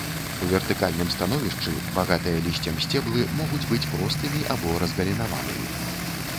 У вертыкальным становішчы, багатыя лісцем сцеблы могуць быць простымі або разгалінаванымі.